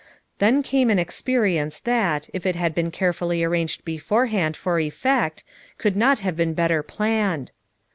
Then came an experience that, if it had been carefully arranged beforehand for effect, could not have been better planned.